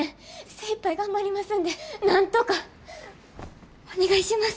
精いっぱい頑張りますんでなんとか。お願いします。